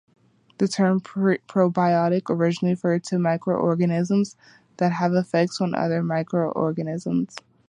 The term "probiotic" originally referred to microorganisms that have effects on other microorganisms.